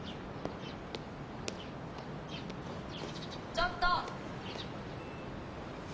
ちょっと！